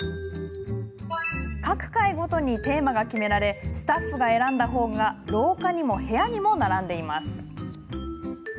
各階ごとにテーマが決められスタッフが選んだ本が廊下にも部屋にも並んでいます。